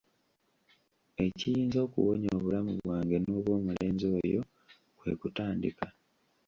Ekiyinza okuwonya obulamu bwange n'obw'omulenzi oyo kwe kutandika.